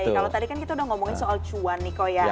kalau tadi kan kita udah ngomongin soal cuan nih kok ya